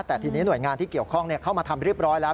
แต่ทีนี้หน่วยงานที่เกี่ยวข้องเข้ามาทำเรียบร้อยแล้ว